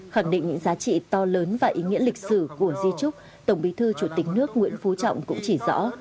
khẳng định những giá trị to lớn và ý nghĩa lịch sử của di trúc tổng bí thư chủ tịch nước nguyễn phú trọng cũng chỉ rõ